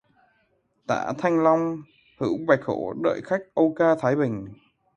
Tả Thanh long Hữu Bạch Hổ đợi khách âu ca thái bình